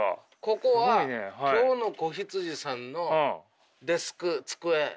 ここは今日の子羊さんのデスク机。